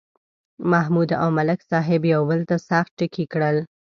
محمود او ملک صاحب یو بل ته سخت ټکي کړي.